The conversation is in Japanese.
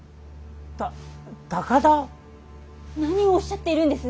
何をおっしゃっているんです？